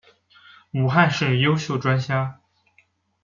武汉市优秀专家。